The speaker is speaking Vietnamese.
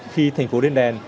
khi thành phố lên đèn